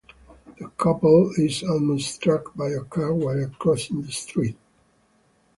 The couple is almost struck by a car while crossing the street.